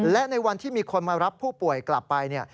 และในวันที่มีคนมารับผู้ป่วยกลับไป